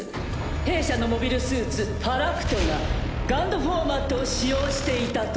弊社のモビルスーツファラクトがＧＵＮＤフォーマットを使用していたと。